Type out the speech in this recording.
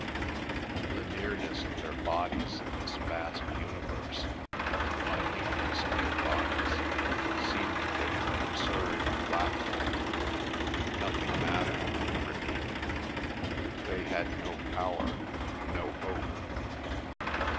The nearness of their bodies in this vast universe, and the minuteness of their bodies, seemed to him absurd and laughable. Nothing mattered, he repeated; they had no power, no hope.